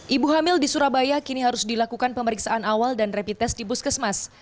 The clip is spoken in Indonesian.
ibu hamil di surabaya kini harus dilakukan pemeriksaan awal dan rapid test di puskesmas